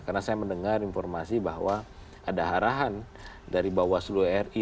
karena saya mendengar informasi bahwa ada arahan dari bawaslu ri